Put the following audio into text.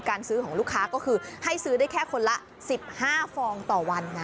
การซื้อของลูกค้าก็คือให้ซื้อได้แค่คนละ๑๕ฟองต่อวันนะ